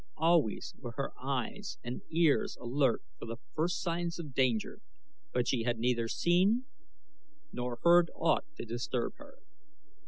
Always were her eyes and ears alert for the first signs of danger, but she had neither seen nor heard aught to disturb her.